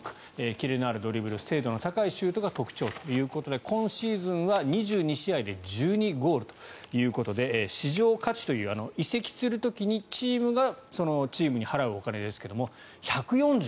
キレのあるドリブル精度の高いシュートが特徴ということで今シーズンは２２試合で１２ゴールということで市場価値という移籍する時にチームがチームに払うお金ですが１４５億。